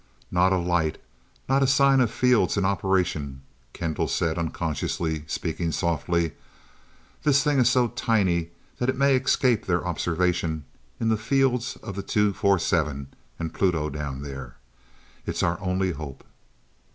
"Not a light not a sign of fields in operation." Kendall said, unconsciously speaking softly. "This thing is so tiny, that it may escape their observation in the fields of the T 247 and Pluto down there. It's our only hope."